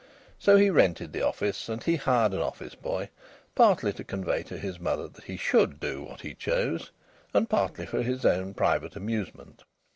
So he rented the office; and he hired an office boy, partly to convey to his mother that he should do what he chose, and partly for his own private amusement.